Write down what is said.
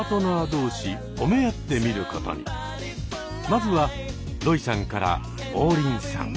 まずはロイさんから王林さん。